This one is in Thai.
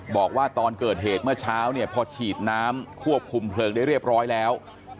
บอกว่าตอนเกิดเหตุเมื่อเช้าเนี่ยพอฉีดน้ำควบคุมเพลิงได้เรียบร้อยแล้ว